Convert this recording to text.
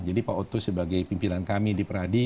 jadi pak oto sebagai pimpinan kami di peradi